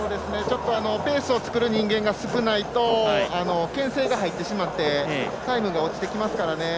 ペースを作る人間が少ないとけん制が入ってしまってタイムが落ちてきますから。